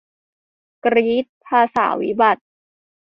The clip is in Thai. กรี๊ด ภาษาวิบัติ